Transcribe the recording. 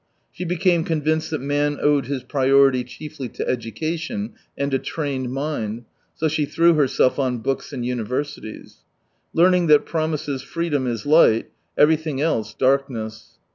She became .convinced that man owed his priority chiefly to edu<;ation and a trained mind, so she threw herself on books and universities. Learning that promises freedom is light, everything else darkness.